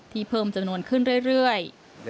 เพิ่มจำนวนขึ้นเรื่อย